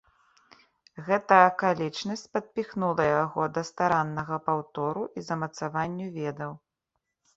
Гэта акалічнасць падпіхнула яго да стараннага паўтору і замацаванню ведаў.